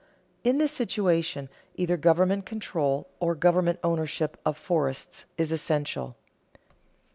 In this situation either government control or government ownership of forests is essential.